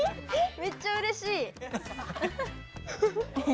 めっちゃうれしい！